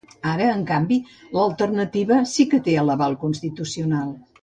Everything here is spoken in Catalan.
Ara, en canvi, l’alternativa sí que té l’aval constitucional.